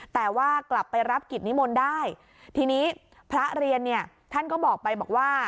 แต่ว่ากลับไปรับกิจนิมนต์ได้ทีนี้พระเรียนเนี่ยท่านก็บอกไปบอกว่า